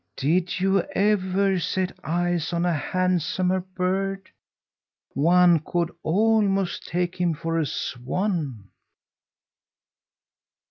Did you ever set eyes on a handsomer bird? One could almost take him for a swan!"